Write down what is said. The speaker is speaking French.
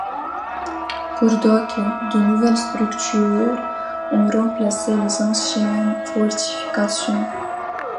Pour d'autres, de nouvelles structures ont remplacé les anciennes fortifications.